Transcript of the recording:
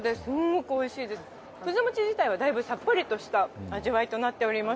くず餅自体はだいぶさっぱりとした味わいになっております。